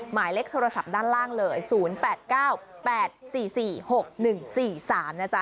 หมายเลขโทรศัพท์ด้านล่างเลย๐๘๙๘๔๔๖๑๔๓นะจ๊ะ